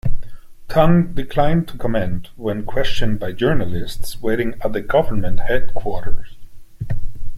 Tung declined to comment when questioned by journalists waiting at the government headquarters.